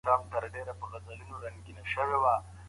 خواړه ټول څه نه دي.